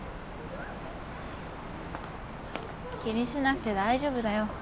気にしなくて大丈夫だよ。